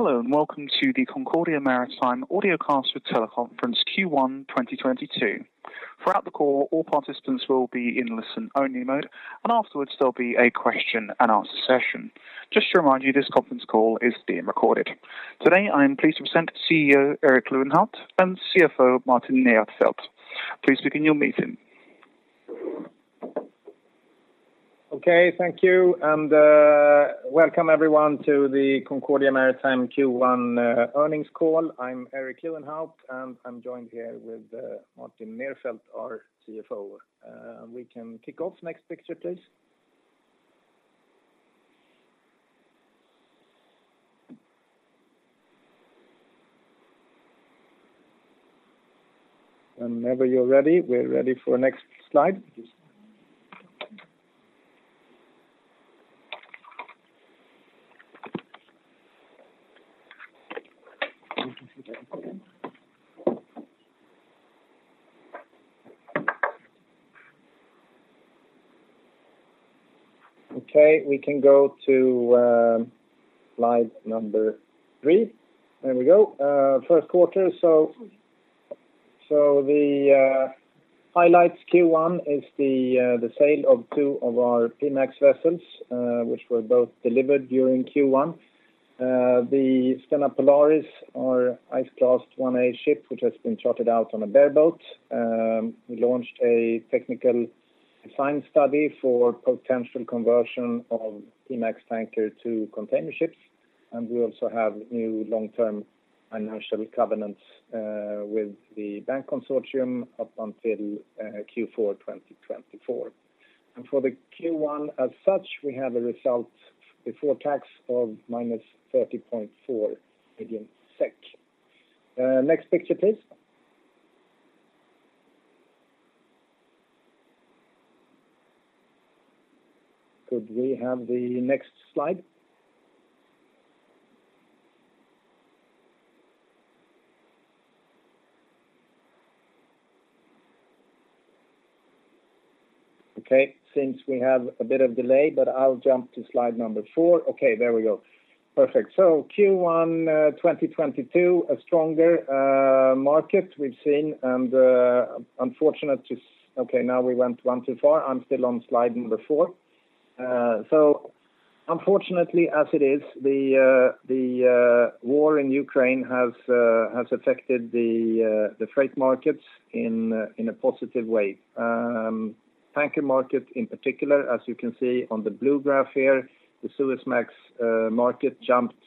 Hello, and welcome to the Concordia Maritime Audiocast for Teleconference Q1 2022. Throughout the call, all participants will be in listen-only mode, and afterwards there'll be a question and answer session. Just to remind you, this conference call is being recorded. Today, I am pleased to present CEO Erik Lewenhaupt and CFO Martin Nerfeldt. Please begin your meeting. Okay, thank you. Welcome everyone to the Concordia Maritime Q1 earnings call. I'm Erik Lewenhaupt, and I'm joined here with Martin Nerfeldt, our CFO. We can kick off. Next picture, please. Whenever you're ready, we're ready for next slide. Okay. We can go to slide number 3. There we go. Q1. The highlights Q1 is the sale of 2 of our P-MAX vessels, which were both delivered during Q1. The Stena Polaris, our Ice Class 1A ship, which has been chartered out on a bareboat. We launched a technical design study for potential conversion of P-MAX tanker to containerships, and we also have new long-term financial covenants with the bank consortium up until Q4 2024. For the Q1 as such, we have a result before tax of -30.4 million SEK. Next picture, please. Could we have the next slide? Okay, seems we have a bit of delay, but I'll jump to slide number 4. Okay, there we go. Perfect. Q1 2022, a stronger market we've seen and unfortunately. Okay, now we went one too far. I'm still on slide number 4. Unfortunately, as it is, the war in Ukraine has affected the freight markets in a positive way. Tanker market in particular, as you can see on the blue graph here, the Suezmax market jumped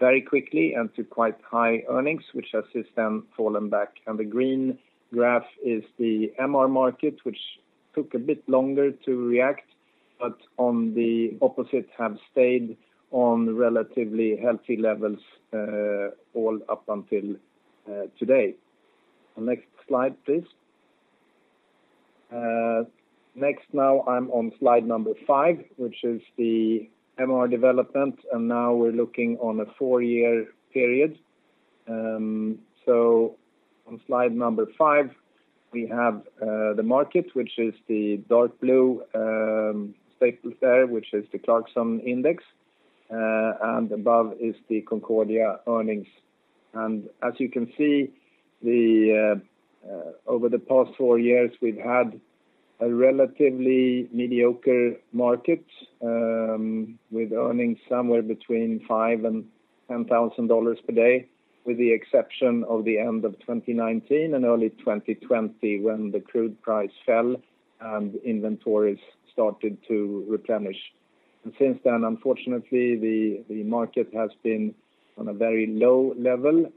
very quickly and to quite high earnings, which has since then fallen back. The green graph is the MR market, which took a bit longer to react, but on the opposite, have stayed on relatively healthy levels all up until today. Next slide, please. Next, now I'm on slide number 5, which is the MR development, and now we're looking on a 4-year period. On slide number 5, we have the market, which is the dark blue staples there, which is the ClarkSea Index, and above is the Concordia earnings. As you can see, over the past four years, we've had a relatively mediocre market with earnings somewhere between $5,000 and $10,000 per day, with the exception of the end of 2019 and early 2020, when the crude price fell and inventories started to replenish. Since then, unfortunately, the market has been on a very low level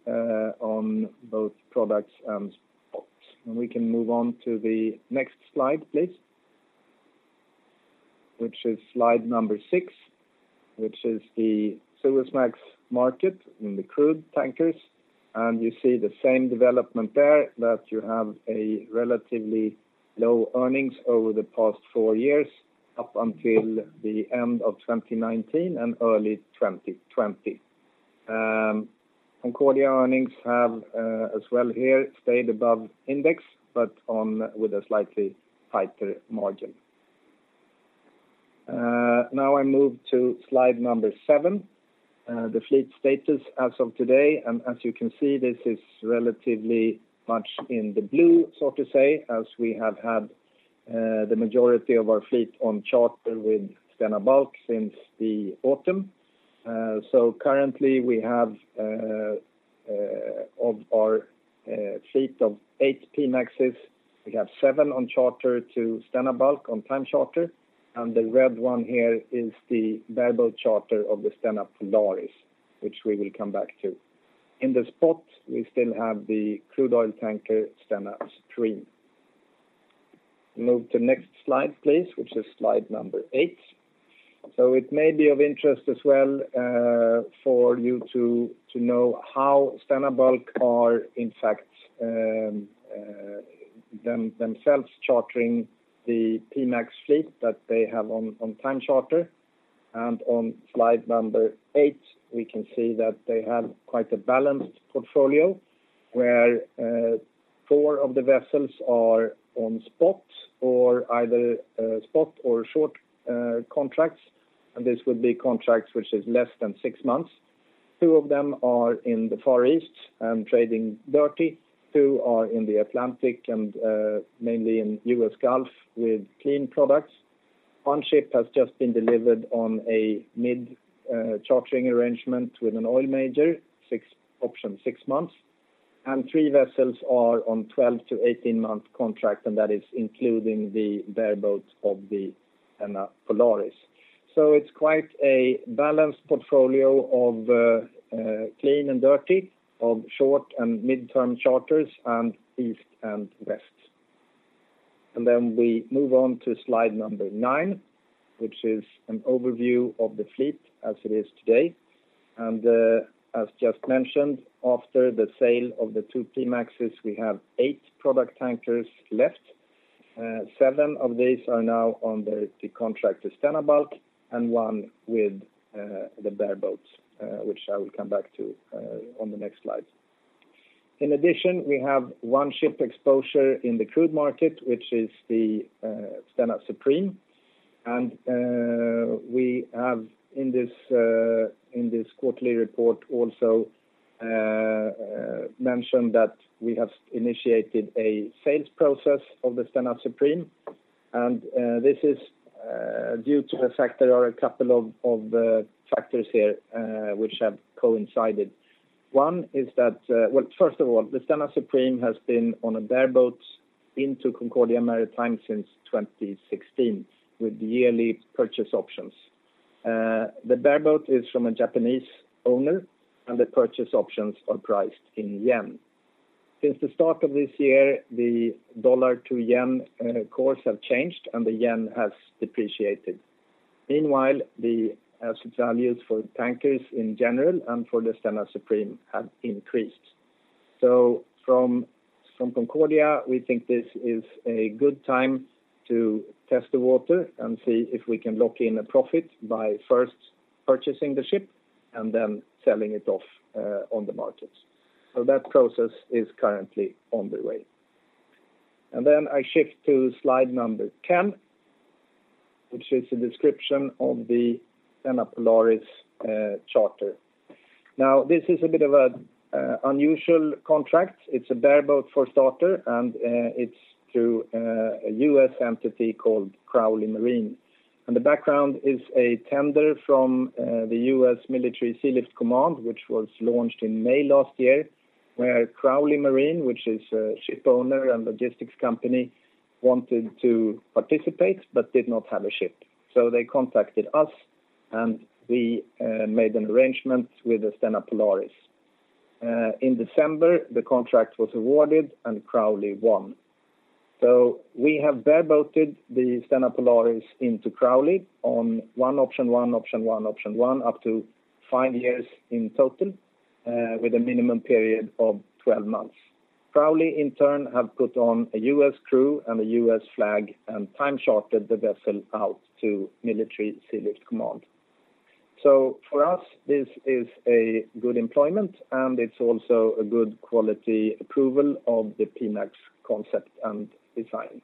on both products and spots. We can move on to the next slide, please. This is slide number 6, which is the Suezmax market in the crude tankers. You see the same development there, that you have a relatively low earnings over the past four years, up until the end of 2019 and early 2020. Concordia earnings have, as well here, stayed above index, but with a slightly tighter margin. Now I move to slide number 7, the fleet status as of today. You can see, this is relatively much in the blue, so to say, as we have had the majority of our fleet on charter with Stena Bulk since the autumn. So currently we have of our fleet of 8 P-MAXs, we have 7 on charter to Stena Bulk on time charter, and the red one here is the bareboat charter of the Stena Polaris, which we will come back to. In the spot, we still have the crude oil tanker, Stena Stream. Move to next slide, please, which is slide number 8. It may be of interest as well for you to know how Stena Bulk are in fact themselves chartering the PMAX fleet that they have on time charter. On slide number 8, we can see that they have quite a balanced portfolio, where 4 of the vessels are on spot or short contracts. This would be contracts which is less than 6 months. 2 of them are in the Far East and trading dirty. 2 are in the Atlantic and mainly in U.S. Gulf with clean products. 1 ship has just been delivered on a medium-term chartering arrangement with an oil major, 6-month option. Three vessels are on 12 to 18-month contract, and that is including the bareboat of the Stena Polaris. It's quite a balanced portfolio of clean and dirty, of short and mid-term charters, and east and west. Then we move on to slide number 9, which is an overview of the fleet as it is today. As just mentioned, after the sale of the two P-MAXes, we have 8 product tankers left. Seven of these are now under the contract to Stena Bulk, and one with the bareboats, which I will come back to on the next slide. In addition, we have one ship exposure in the crude market, which is the Stena Supreme. We have in this quarterly report also mentioned that we have initiated a sales process of the Stena Supreme. This is due to the fact there are a couple of factors here, which have coincided. One is that. Well, first of all, the Stena Supreme has been on a bareboat to Concordia Maritime since 2016 with yearly purchase options. The bareboat is from a Japanese owner, and the purchase options are priced in yen. Since the start of this year, the dollar to yen exchange rate has changed, and the yen has depreciated. Meanwhile, the asset values for tankers in general and for the Stena Supreme have increased. From Concordia, we think this is a good time to test the water and see if we can lock in a profit by first purchasing the ship and then selling it off on the market. That process is currently on the way. I shift to slide number 10, which is a description of the Stena Polaris charter. Now, this is a bit of a unusual contract. It's a bareboat for starter, and it's through a U.S. entity called Crowley Maritime. The background is a tender from the U.S. Military Sealift Command, which was launched in May last year, where Crowley Maritime, which is a ship owner and logistics company, wanted to participate but did not have a ship. They contacted us, and we made an arrangement with the Stena Polaris. In December, the contract was awarded, and Crowley won. We have bareboated the Stena Polaris into Crowley on one option one up to 5 years in total with a minimum period of 12 months. Crowley, in turn, have put on a U.S. crew and a U.S. flag and time chartered the vessel out to Military Sealift Command. For us, this is a good employment, and it's also a good quality approval of the P-MAX concept and design.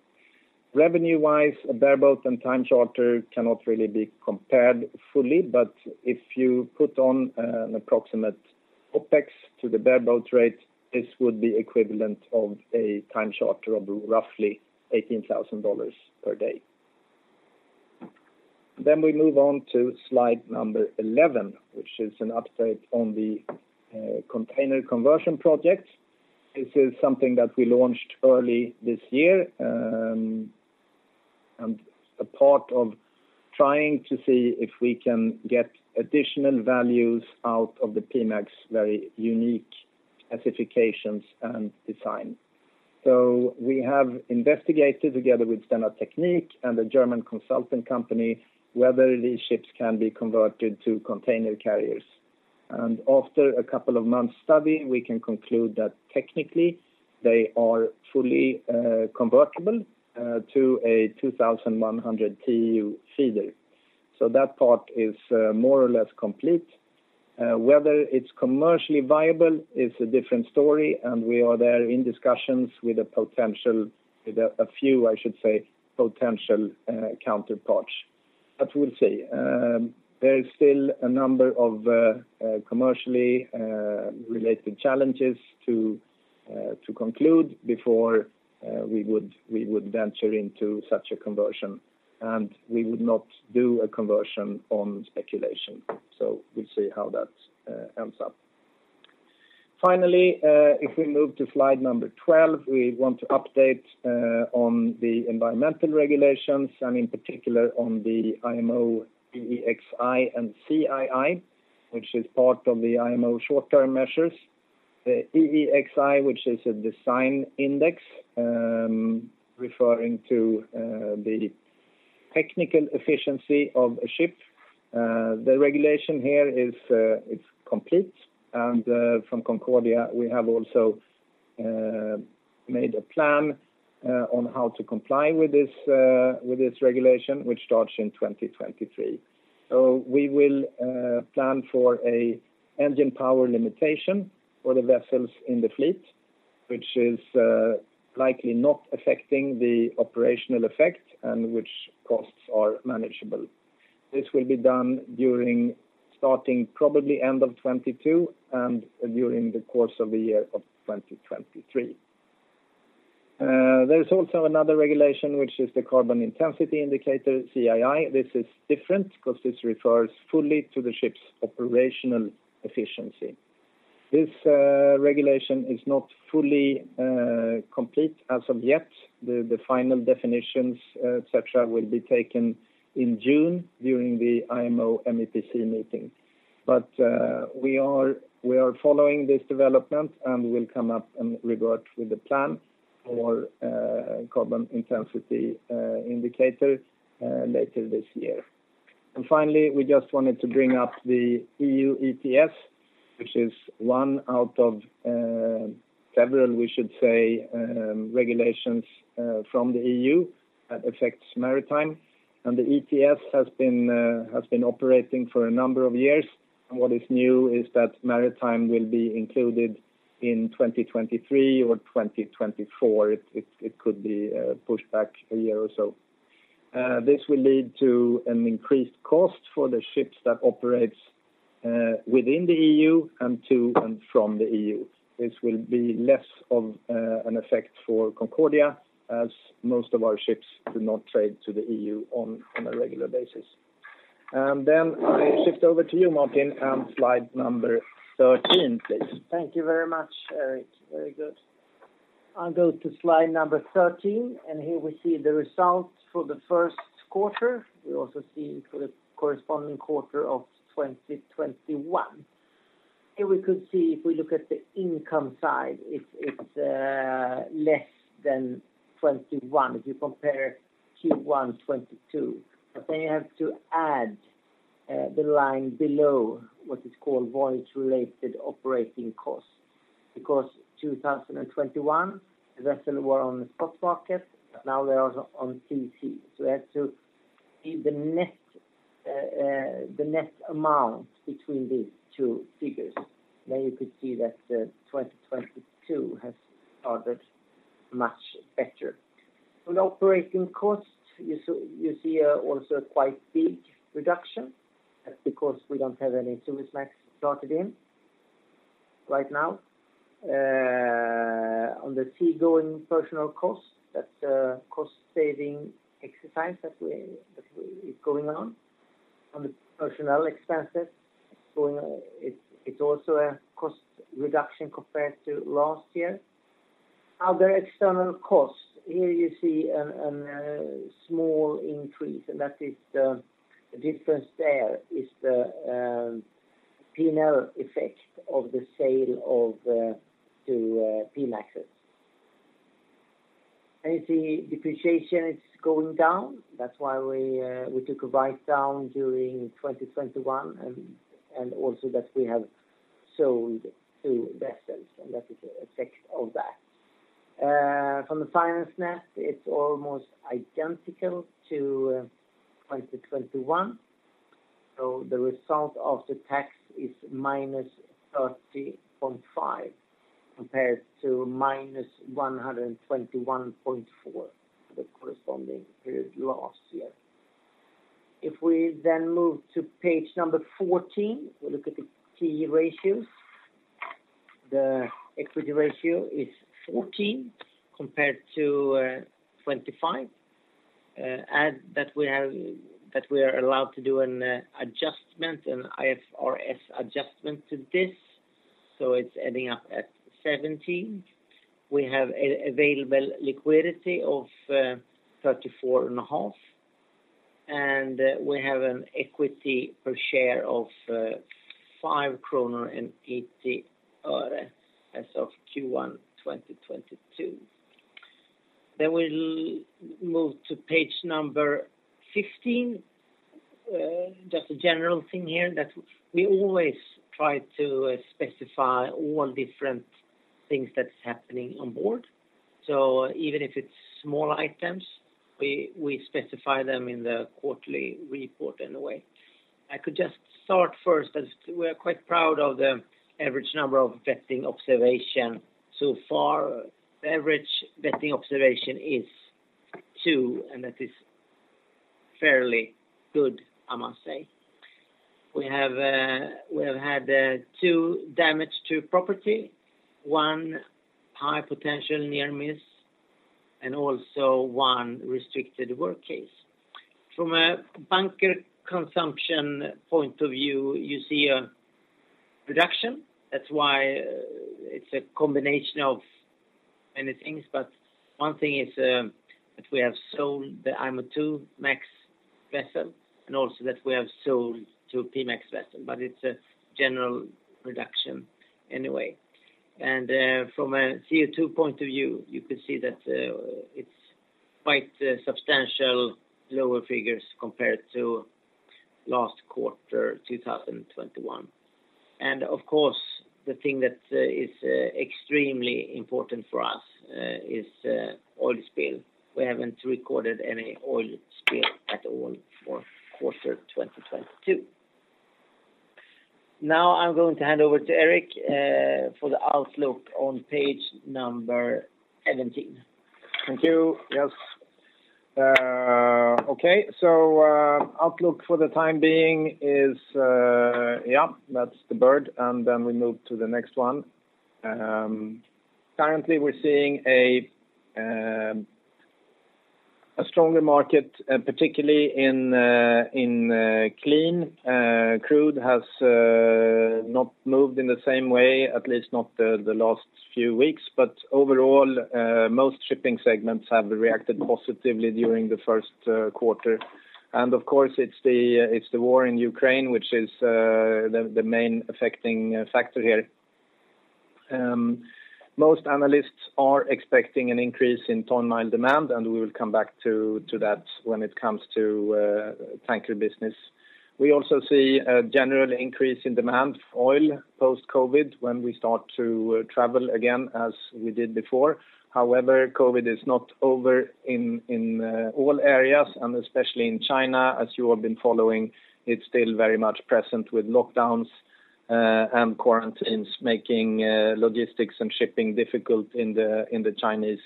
Revenue-wise, a bareboat and time charter cannot really be compared fully, but if you put on an approximate OpEx to the bareboat rate, this would be equivalent of a time charter of roughly $18,000 per day. We move on to slide number 11, which is an update on the container conversion project. This is something that we launched early this year, and a part of trying to see if we can get additional values out of the P-MAXes' very unique specifications and design. We have investigated together with Stena Teknik and a German consulting company, whether these ships can be converted to container carriers. After a couple of months' study, we can conclude that technically they are fully convertible to a 2,100 TEU feeder. That part is more or less complete. Whether it's commercially viable is a different story, and we are there in discussions with a few potential counterparts. We'll see. There is still a number of commercially related challenges to conclude before we would venture into such a conversion, and we would not do a conversion on speculation. We'll see how that ends up. Finally, if we move to slide number 12, we want to update on the environmental regulations, and in particular on the IMO EEXI and CII, which is part of the IMO short-term measures. The EEXI, which is a design index, referring to the technical efficiency of a ship. The regulation here is complete. From Concordia, we have also made a plan on how to comply with this regulation, which starts in 2023. We will plan for an engine power limitation for the vessels in the fleet, which is likely not affecting the operational effect and which costs are manageable. This will be done starting probably end of 2022 and during the course of the year of 2023. There is also another regulation, which is the Carbon Intensity Indicator, CII. This is different cause this refers fully to the ship's operational efficiency. This regulation is not fully complete as of yet. The final definitions, et cetera, will be taken in June during the IMO MEPC meeting. We are following this development, and we'll come up and revert with the plan for Carbon Intensity Indicator later this year. Finally, we just wanted to bring up the EU ETS, which is one out of several, we should say, regulations from the EU that affects maritime. The ETS has been operating for a number of years. What is new is that maritime will be included in 2023 or 2024. It could be pushed back a year or so. This will lead to an increased cost for the ships that operates within the EU and to and from the EU. This will be less of an effect for Concordia as most of our ships do not trade to the EU on a regular basis. I shift over to you, Martin, and slide number 13, please. Thank you very much, Erik. Very good. I'll go to slide number 13, and here we see the results for the Q1. We also see for the corresponding quarter of 2021. Here we could see if we look at the income side, it's less than 2021 if you compare Q1 2022. You have to add the line below what is called voyage-related operating costs. Because 2021, the vessels were on the spot market, but now they're on TC. We have to see the net amount between these two figures. You could see that 2022 has started much better. For the operating costs, you see also a quite big reduction. That's because we don't have any Suezmax started in right now. On the seagoing personnel costs, that's a cost-saving exercise that is going on. On the personnel expenses, it's also a cost reduction compared to last year. Other external costs, here you see a small increase, and the difference is the P&L effect of the sale of 2 P-MAXes. You see depreciation is going down. That's why we took a write-down during 2021 and also that we have sold 2 vessels, and that is the effect of that. From the net finance, it's almost identical to 2021. The result after tax is -30.5 compared to -121.4 for the corresponding period last year. If we then move to page number 14, we look at the key ratios. The equity ratio is 14% compared to 25%. That we are allowed to do an adjustment, an IFRS adjustment to this, so it's ending up at 17%. We have available liquidity of 34.5, and we have an equity per share of 5.80 kronor as of Q1 2022. We'll move to page number 15. Just a general thing here that we always try to specify all different things that is happening on board. Even if it's small items, we specify them in the quarterly report in a way. I could just start first as we are quite proud of the average number of vetting observations. So far, average vetting observations is 2, and that is fairly good, I must say. We have had two damage to property, one high potential near miss, and also one restricted work case. From a bunker consumption point of view, you see a reduction. That's why it's a combination of many things. One thing is that we have sold the IMOIIMAX vessel and also that we have sold two P-MAX vessel, but it's a general reduction anyway. From a CO2 point of view, you could see that it's quite substantial lower figures compared to last quarter 2021. Of course, the thing that is extremely important for us is oil spill. We haven't recorded any oil spill at all for quarter 2022. Now I'm going to hand over to Erik for the outlook on page 17. Thank you. Yes. Okay. Outlook for the time being is, yeah, that's the bird, and then we move to the next one. Currently, we're seeing a stronger market, particularly in clean. Crude has not moved in the same way, at least not the last few weeks. Overall, most shipping segments have reacted positively during the Q1. Of course, it's the war in Ukraine, which is the main affecting factor here. Most analysts are expecting an increase in ton-mile demand, and we will come back to that when it comes to tanker business. We also see a general increase in demand for oil post-COVID when we start to travel again as we did before. However, COVID is not over in all areas and especially in China, as you have been following, it's still very much present with lockdowns and quarantines making logistics and shipping difficult in the Chinese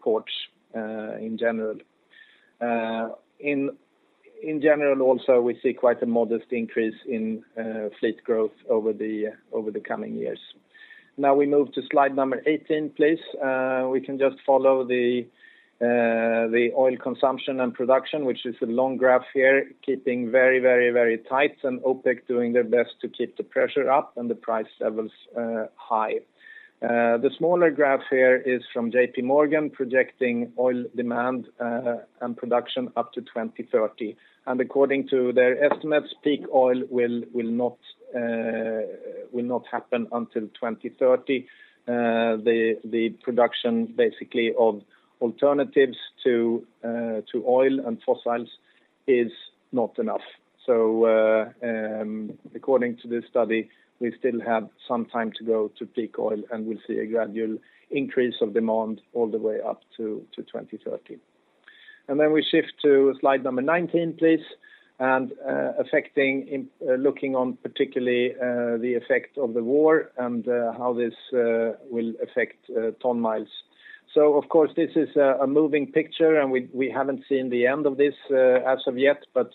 ports in general. In general also, we see quite a modest increase in fleet growth over the coming years. Now we move to slide number 18, please. We can just follow the oil consumption and production, which is a long graph here, keeping very tight, and OPEC doing their best to keep the pressure up and the price levels high. The smaller graph here is from J.P. Morgan projecting oil demand and production up to 2030. According to their estimates, peak oil will not happen until 2030. The production basically of alternatives to oil and fossils is not enough. According to this study, we still have some time to go to peak oil, and we'll see a gradual increase of demand all the way up to 2030. Then we shift to slide number 19, please. Looking in particular at the effect of the war and how this will affect ton-miles. Of course, this is a moving picture, and we haven't seen the end of this as of yet, but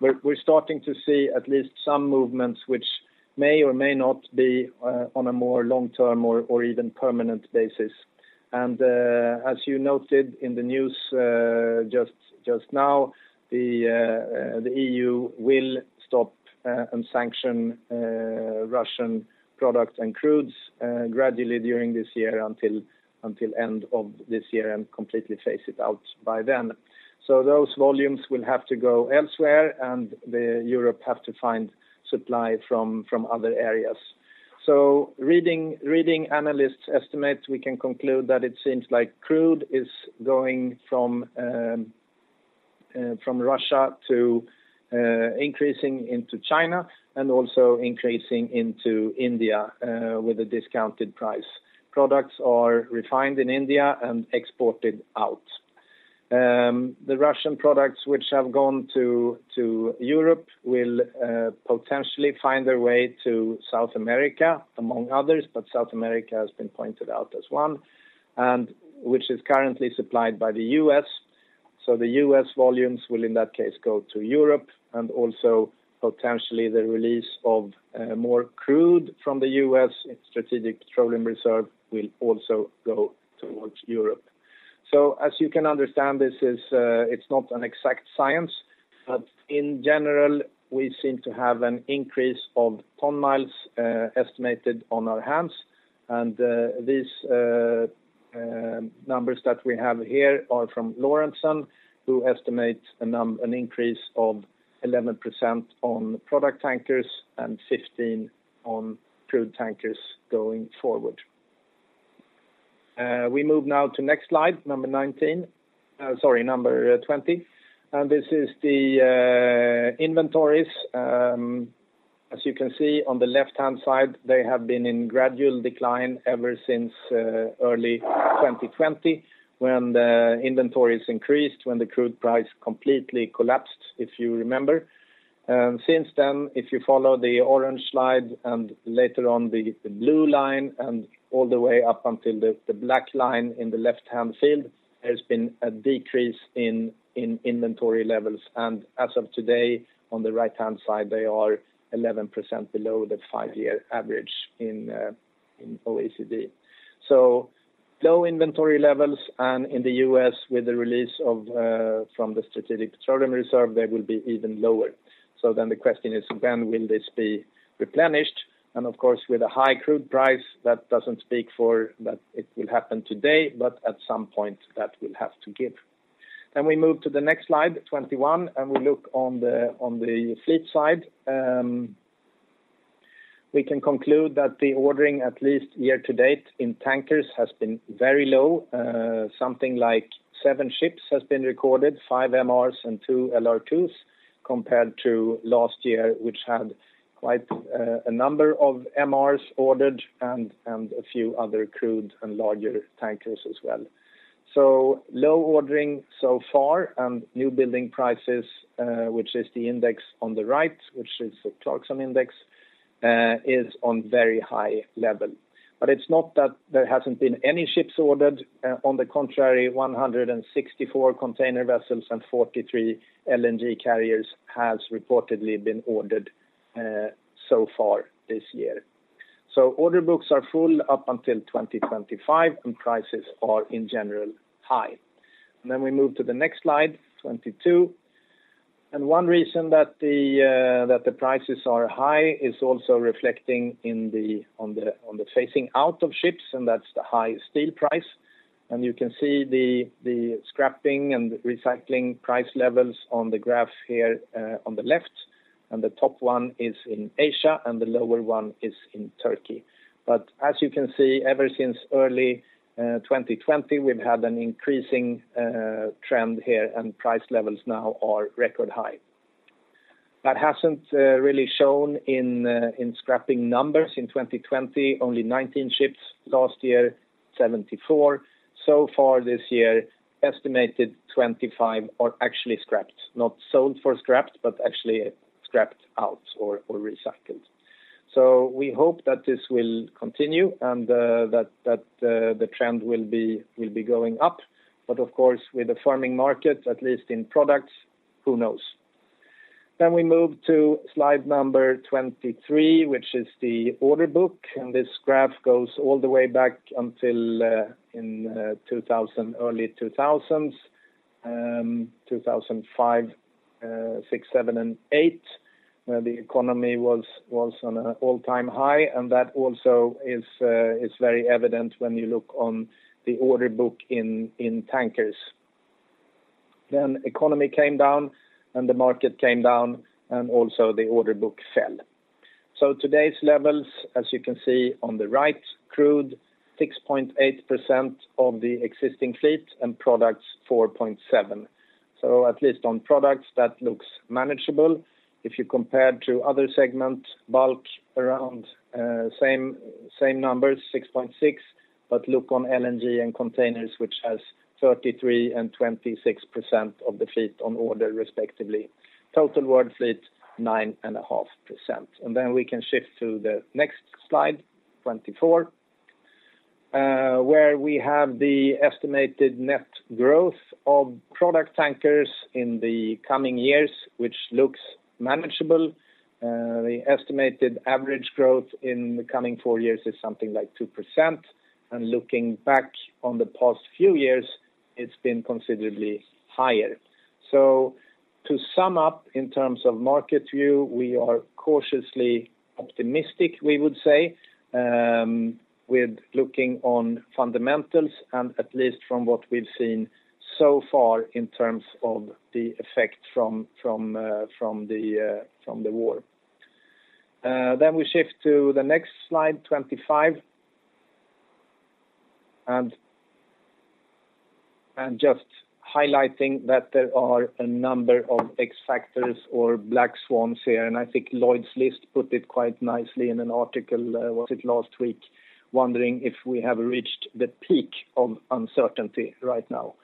we're starting to see at least some movements which may or may not be on a more long-term or even permanent basis. As you noted in the news just now, the EU will stop and sanction Russian products and crudes gradually during this year until end of this year and completely phase it out by then. Those volumes will have to go elsewhere, and Europe has to find supply from other areas. Reading analysts estimates, we can conclude that it seems like crude is going from Russia increasingly into China and also increasingly into India with a discounted price. Products are refined in India and exported out. The Russian products which have gone to Europe will potentially find their way to South America, among others, but South America has been pointed out as one, and which is currently supplied by the U.S. The U.S. volumes will, in that case, go to Europe, and also potentially the release of more crude from the U.S. Strategic Petroleum Reserve will also go towards Europe. As you can understand, this is, it's not an exact science, but in general, we seem to have an increase of ton-miles estimated on our hands. These numbers that we have here are from Lorentzen, who estimate an increase of 11% on product tankers and 15% on crude tankers going forward. We move now to next slide, number 20. This is the inventories. As you can see on the left-hand side, they have been in gradual decline ever since early 2020 when the inventories increased, when the crude price completely collapsed, if you remember. Since then, if you follow the orange slide and later on the blue line and all the way up until the black line in the left-hand field, there's been a decrease in inventory levels. As of today, on the right-hand side, they are 11% below the five-year average in OECD. Low inventory levels, and in the US with the release from the Strategic Petroleum Reserve, they will be even lower. The question is, when will this be replenished? Of course, with a high crude price, that doesn't speak for that it will happen today, but at some point, that will have to give. We move to the next slide, 21, and we look on the fleet side. We can conclude that the ordering at least year to date in tankers has been very low. Something like 7 ships has been recorded, 5 MRs and 2 LR2s compared to last year, which had quite a number of MRs ordered and a few other crude and larger tankers as well. Low ordering so far and new building prices, which is the index on the right, which is the Clarksons index, is on very high level. It's not that there hasn't been any ships ordered. On the contrary, 164 container vessels and 43 LNG carriers has reportedly been ordered, so far this year. Order books are full up until 2025, and prices are in general high. We move to the next slide, 22. One reason that the prices are high is also reflecting in the phasing out of ships, and that's the high steel price. You can see the scrapping and recycling price levels on the graph here on the left, and the top one is in Asia, and the lower one is in Turkey. As you can see, ever since early 2020, we've had an increasing trend here, and price levels now are record high. That hasn't really shown in scrapping numbers. In 2020, only 19 ships. Last year, 74. So far this year, estimated 25 are actually scrapped. Not sold for scrapped, but actually scrapped out or recycled. We hope that this will continue and that the trend will be going up. Of course, with the freight market, at least in products, who knows? We move to slide number 23, which is the order book. This graph goes all the way back until early 2000s, 2005, 2006, 2007, and 2008, where the economy was on an all-time high. That also is very evident when you look on the order book in tankers. Economy came down, and the market came down, and also the order book fell. Today's levels, as you can see on the right, crude 6.8% of the existing fleet and products, 4.7%. At least on products, that looks manageable. If you compared to other segments, bulk around same numbers, 6.6%. Look on LNG and containers, which has 33% and 26% of the fleet on order, respectively. Total world fleet, 9.5%. Then we can shift to the next slide, 24, where we have the estimated net growth of product tankers in the coming years, which looks manageable. The estimated average growth in the coming four years is something like 2%. Looking back on the past few years, it's been considerably higher. To sum up in terms of market view, we are cautiously optimistic, we would say, with looking on fundamentals and at least from what we've seen so far in terms of the effect from the war. We shift to the next slide, 25. Just highlighting that there are a number of X factors or black swans here. I think Lloyd's List put it quite nicely in an article, was it last week, wondering if we have reached the peak of uncertainty right now.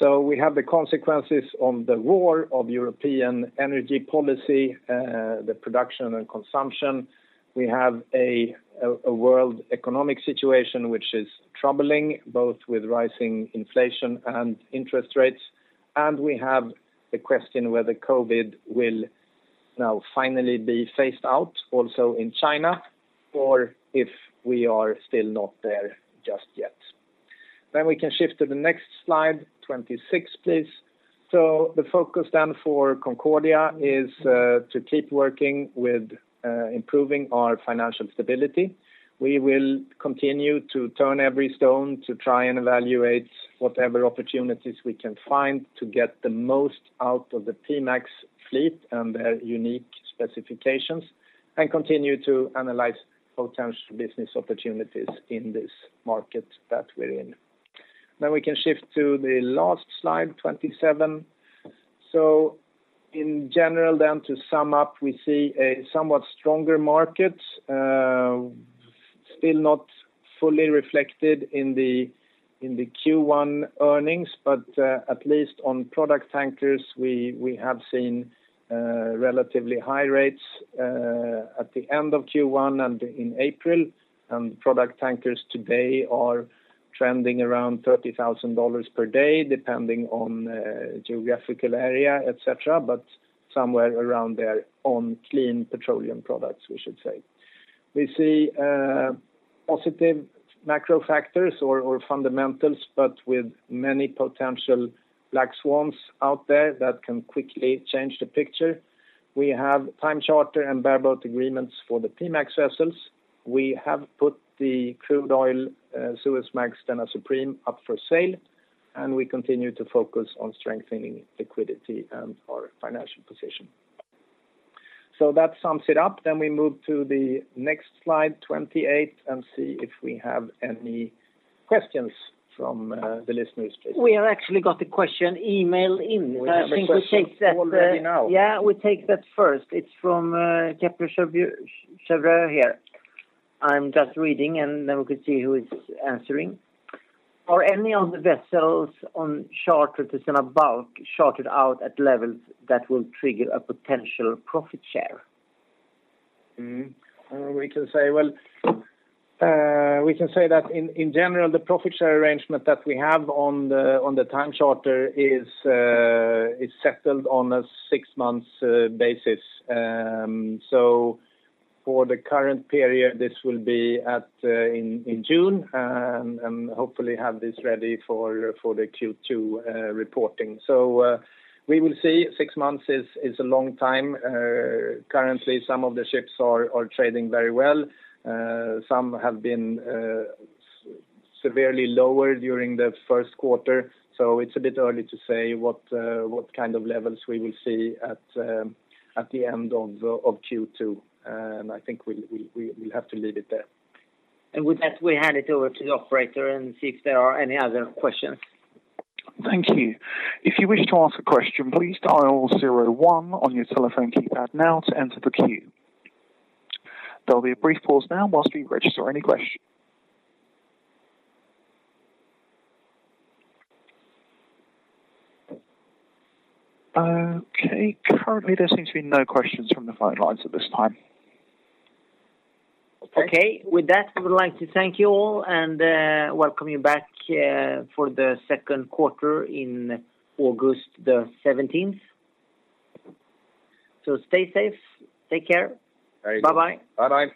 We have the consequences of the war on European energy policy, the production and consumption. We have a world economic situation which is troubling, both with rising inflation and interest rates. We have the question whether COVID will now finally be phased out also in China or if we are still not there just yet. We can shift to the next slide, 26, please. The focus then for Concordia is to keep working with improving our financial stability. We will continue to turn every stone to try and evaluate whatever opportunities we can find to get the most out of the P-MAX fleet and their unique specifications and continue to analyze potential business opportunities in this market that we're in. We can shift to the last slide, 27. In general, to sum up, we see a somewhat stronger market, still not fully reflected in the Q1 earnings. At least on product tankers, we have seen relatively high rates at the end of Q1 and in April. Product tankers today are trending around $30,000 per day, depending on geographical area, etc. Somewhere around there on clean petroleum products, we should say. We see positive macro factors or fundamentals, but with many potential black swans out there that can quickly change the picture. We have time charter and bareboat agreements for the P-MAX vessels. We have put the crude oil Suezmax Stena Supreme up for sale. We continue to focus on strengthening liquidity and our financial position. That sums it up, then we move to the next slide, 28, and see if we have any questions from the listeners please. We have actually got a question emailed in. We have a question already now. Yeah, we take that first. It's from Kepler Cheuvreux here. I'm just reading, and then we could see who is answering. Are any of the vessels on charter to Stena Bulk chartered out at levels that will trigger a potential profit share? We can say that in general, the profit share arrangement that we have on the time charter is settled on a 6-months basis. For the current period, this will be in June and hopefully have this ready for the Q2 reporting. We will see. Six months is a long time. Currently some of the ships are trading very well. Some have been severely lower during the Q1. It's a bit early to say what kind of levels we will see at the end of Q2. I think we'll have to leave it there. With that, we hand it over to the operator and see if there are any other questions. Thank you. If you wish to ask a question, please dial zero one on your telephone keypad now to enter the queue. There'll be a brief pause now whilst we register any question. Okay. Currently, there seems to be no questions from the phone lines at this time. Okay. With that, we would like to thank you all and welcome you back for the Q2 in August the seventeenth. Stay safe, take care. Very good. Bye-bye. Bye-bye.